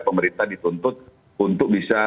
pemerintah dituntut untuk bisa